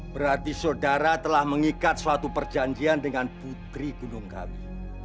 berarti saudara telah mengikat suatu perjanjian dengan putri gunung kami